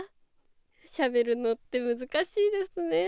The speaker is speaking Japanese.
しゃべるのって難しいですね。